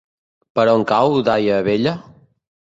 Per on cau Daia Vella?